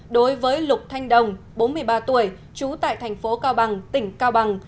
đối với lục thanh đồng bốn mươi ba tuổi trú tại thành phố cao bằng tỉnh cao bằng